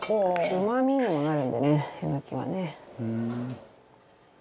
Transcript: うま味にもなるんでねえのきはね。